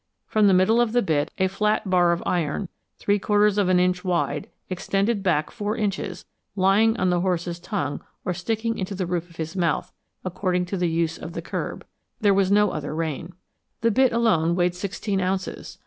From the middle of the bit, a flat bar of iron, three quarters of an inch wide, extended back four inches, lying on the horse's tongue or sticking into the roof of his mouth, according to the use of the curb there was no other rein. The bit alone weighed sixteen ounces.